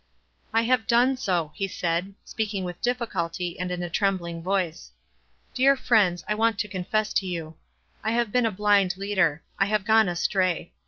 "I have done so," lie said, speaking 380 WISE AND OTHERWISE. with difficulty and in a trembling voice. "Dear friends, I want to confess to you. I have been a blind leader. I have gone astray.